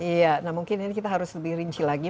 iya nah mungkin ini kita harus lebih rinci lagi